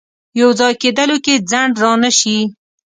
یو ځای کېدلو کې ځنډ رانه شي.